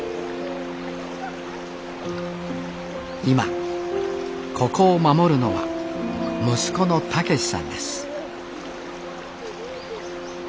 今ここを守るのは息子の健志さんです